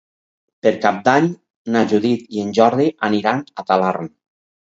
Per Cap d'Any na Judit i en Jordi aniran a Talarn.